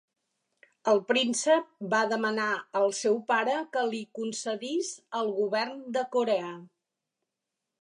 El príncep va demanar al seu pare que li concedís el govern de Corea.